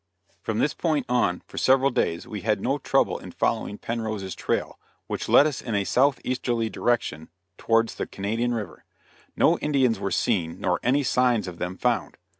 From this point on, for several days, we had no trouble in following Penrose's trail, which led us in a southeasterly direction towards the Canadian River. No Indians were seen, nor any signs of them found.